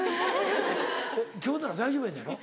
えっ今日なら大丈夫やのやろ？